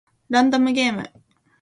ランダムゲーム